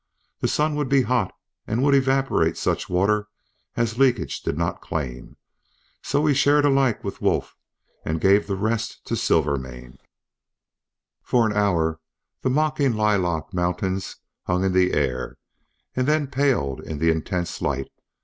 The sun would be hot and would evaporate such water as leakage did not claim, and so he shared alike with Wolf, and gave the rest to Silvermane. For an hour the mocking lilac mountains hung in the air and then paled in the intense light.